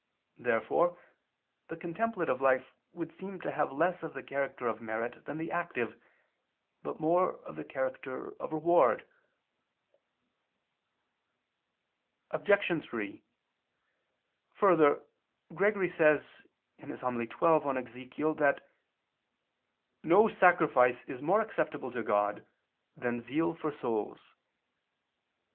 Therefore the contemplative life would seem to have less of the character of merit than the active, but more of the character of reward. Obj. 3: Further, Gregory says (Hom. xii in Ezech.) that "no sacrifice is more acceptable to God than zeal for souls."